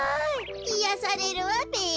いやされるわべ。